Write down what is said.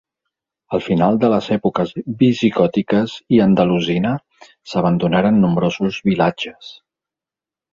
Al final de les èpoques visigòtiques i andalusina s'abandonaren nombrosos vilatges.